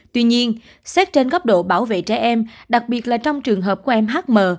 tuy nhiên xét trên góc độ bảo vệ trẻ em đặc biệt là trong trường hợp của em